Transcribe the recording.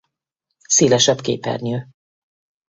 Szélesebb képernyő.